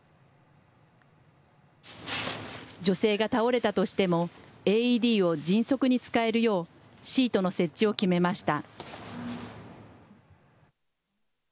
女性が倒れたとしても、ＡＥＤを迅速に使えるよう、シートの設置を決めました。